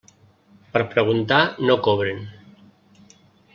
Per preguntar no cobren.